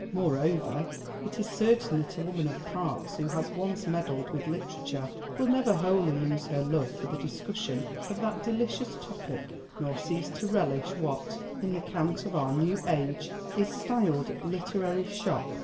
Moreover, it is certain that a woman of parts who has once meddled with literature will never wholly lose her love for the discussion of that delicious topic, nor cease to relish what (in the cant of our new age) is styled 'literary shop.'